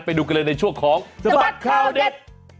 ไปดูกันเลยในช่วงของสบัดข่าวเด็ด